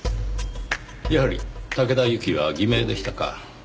やはり竹田ユキは偽名でしたか。